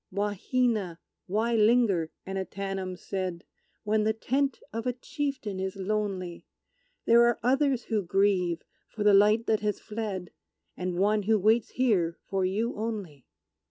"Wahina, why linger," Annatanam said, "When the tent of a chieftain is lonely? There are others who grieve for the light that has fled, And one who waits here for you only!"